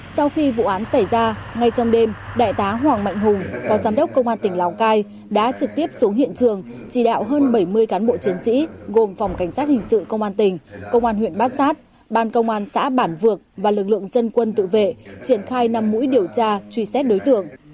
sau khi vụ án xảy ra ngay trong đêm đại tá hoàng mạnh hùng phó giám đốc công an tỉnh lào cai đã trực tiếp xuống hiện trường chỉ đạo hơn bảy mươi cán bộ chiến sĩ gồm phòng cảnh sát hình sự công an tỉnh công an huyện bát sát ban công an xã bản vược và lực lượng dân quân tự vệ triển khai năm mũi điều tra truy xét đối tượng